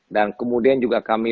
dan kemudian juga kami